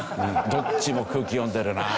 どっちも空気読んでるなあ。